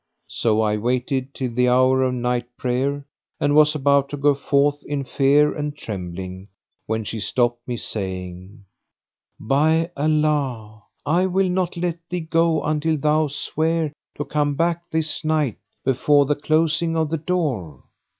So I waited till the hour of night prayer and was about to go forth in fear and trembling, when she stopped me, saying, "By Allah, I will not let thee go until thou swear to come back this night before the closing of the door."